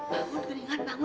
bangun geringan bangun